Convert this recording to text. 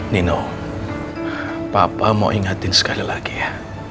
nino papa mau ingetin sekali lagi ya